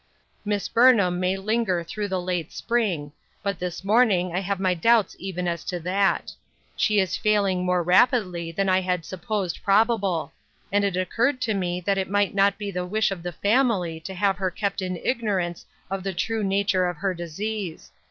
" Miss Burnham may linger through the late spring, but this morning I have my doubts even as to that ; she is failing more rapidly than I had supposed probable ; and it occurred to me that it might not be the wish of the family to have her kept in ignorance of the true nature of her dis ease.